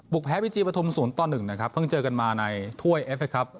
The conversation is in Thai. บุกแพ้บีจีปฐุมศูนย์ต่อหนึ่งนะครับเพิ่งเจอกันมาในถ้วยเอฟเฟสครับ